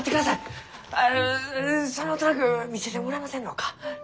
あそのトランク見せてもらえませんろうか？